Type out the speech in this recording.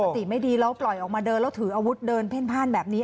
สติไม่ดีแล้วปล่อยออกมาเดินแล้วถืออาวุธเดินเพ่นพ่านแบบนี้